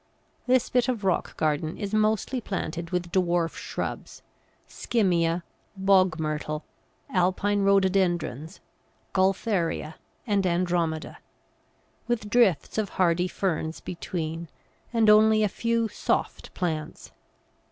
This bit of rock garden is mostly planted with dwarf shrubs Skimmia, Bog myrtle, Alpine Rhododendrons, Gaultheria, and Andromeda, with drifts of hardy ferns between, and only a few "soft" plants.